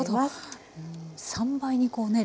３倍にこうね